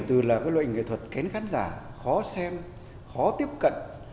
từ loại hình nghệ thuật kén khán giả khó xem khó tiếp cận